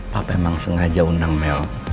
papa memang sengaja undang mel